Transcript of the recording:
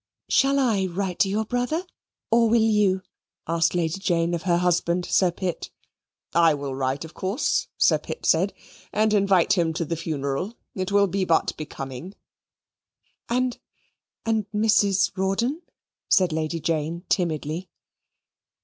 "Shall I write to your brother or will you?" asked Lady Jane of her husband, Sir Pitt. "I will write, of course," Sir Pitt said, "and invite him to the funeral: it will be but becoming." "And and Mrs. Rawdon," said Lady Jane timidly.